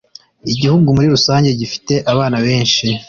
igihugu muri rusange gifite abana beshi.